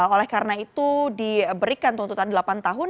oleh karena itu diberikan tuntutan delapan tahun